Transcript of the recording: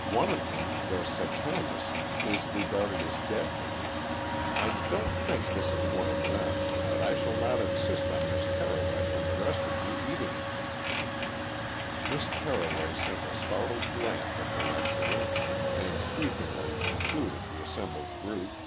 One of them, the Satanus, is regarded as deadly. I don't think this is one of them, but I shall not insist on Miss Carroway and the rest of you eating it." Miss Carroway sent a startled glance at the lecturer and sweepingly included the assembled group.